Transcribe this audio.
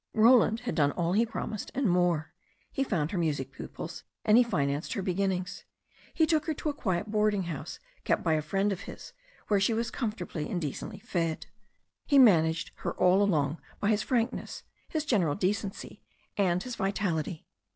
Roland had done all that he promised, and more. He found her music pupils, and he financed her beginnings. He took her to a quiet boarding house kept by a friend of his, where she was comfortable and decently fed. He man aged her all along by his frankness, his general decency and his vitality.